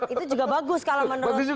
itu juga bagus kalau menurut bang ege